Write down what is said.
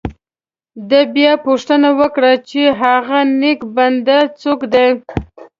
ده بیا پوښتنه وکړه چې هغه نیک بنده څوک دی.